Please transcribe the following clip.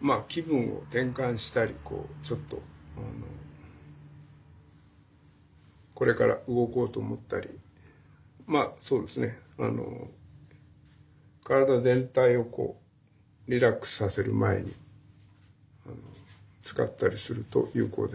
まあ気分を転換したりちょっとこれから動こうと思ったりまあそうですねあの体全体をリラックスさせる前に使ったりすると有効です。